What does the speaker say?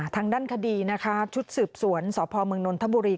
ทางด้านคดีชุดสืบสวนสมนธบุรี